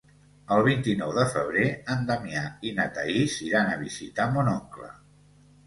El vint-i-nou de febrer en Damià i na Thaís iran a visitar mon oncle.